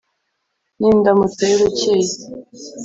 Ni indamutsa y'urukeye